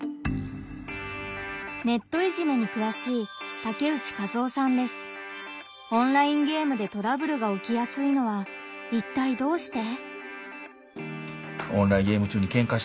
ネットいじめにくわしいオンラインゲームでトラブルが起きやすいのはいったいどうして？